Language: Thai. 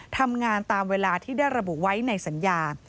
ทำงานตามเวลาที่ได้ระบุไว้ในสัญญา